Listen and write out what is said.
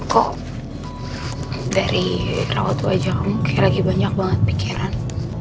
kok dari rawat wajah kamu kayak lagi banyak banget pikiran